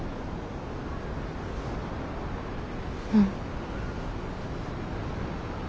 うん。